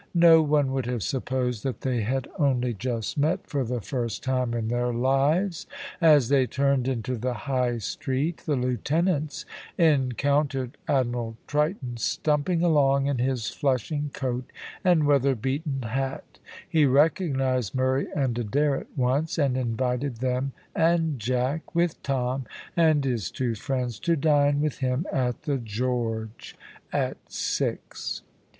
No one would have supposed that they had only just met for the first time in their lives. As they turned into the High Street the lieutenants encountered Admiral Triton stumping along in his flushing coat and weather beaten hat. He recognised Murray and Adair at once, and invited them and Jack, with Tom and his two friends to dine with him at the "George" at six.